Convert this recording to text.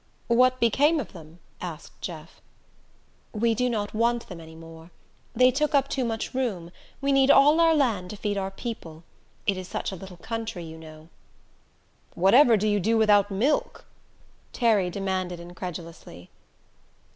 "What became of them?" asked Jeff. "We do not want them anymore. They took up too much room we need all our land to feed our people. It is such a little country, you know." "Whatever do you do without milk?" Terry demanded incredulously.